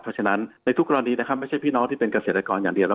เพราะฉะนั้นในทุกกรณีนะครับไม่ใช่พี่น้องที่เป็นเกษตรกรอย่างเดียว